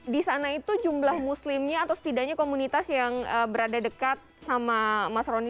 di sana itu jumlah muslimnya atau setidaknya komunitas yang berada dekat sama mas roni